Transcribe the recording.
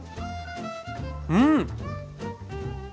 うん！